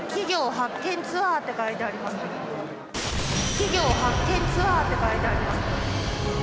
「企業発見ツアー」って書いてあります。